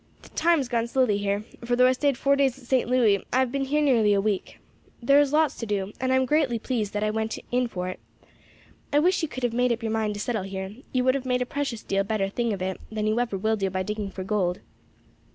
"The time has gone slowly here; for though I stayed four days at St. Louis, I have been here nearly a week. There is lots to do, and I am greatly pleased that I went in for it. I wish you could have made up your mind to settle here; you would have made a precious deal better thing of it than you ever will do by digging for gold.